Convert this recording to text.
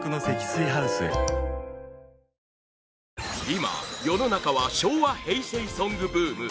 今、世の中は昭和・平成ソングブーム！